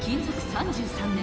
３３年